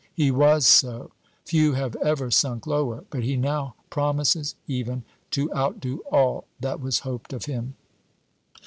"He was so; few have ever sunk lower; but he now promises even to outdo all that was hoped of him."